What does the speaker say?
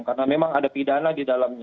karena memang ada pidana di dalamnya